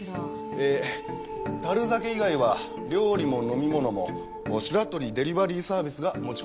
え樽酒以外は料理も飲み物もシラトリ・デリバリーサービスが持ち込んでいます。